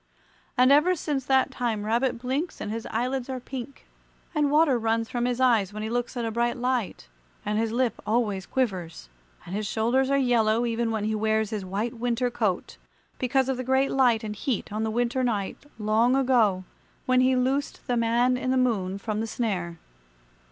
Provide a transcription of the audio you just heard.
And ever since that time Rabbit blinks and his eyelids are pink, and water runs from his eyes when he looks at a bright light; and his lip always quivers; and his shoulders are yellow, even when he wears his white winter coat, because of the great light and heat on the winter night long ago when he loosed the Man in the Moon from the snare.